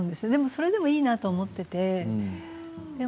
それでもいいなと思っていて。